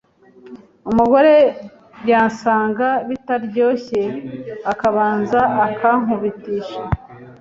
umugore yasanga bitaryoshye akabanza akankubitisha